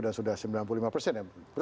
dan sudah sembilan puluh lima persen